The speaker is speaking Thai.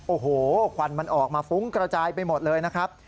โอ้โหควันมันออกมาฟุ้งกระจายไปหมดเลยนะครับ